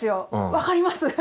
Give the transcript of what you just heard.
分かります。